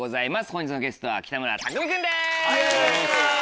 本日のゲストは北村匠海君です。